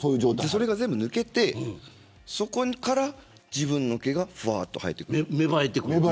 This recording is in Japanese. それが全部抜けてそこから自分の毛がふわっと生えてくる。